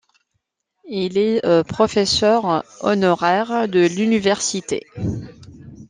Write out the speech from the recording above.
Il est professeur honoraire de l'université.